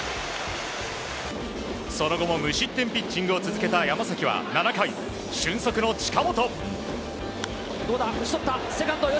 その後も無失点ピッチングを続けた山崎は７回俊足の近本。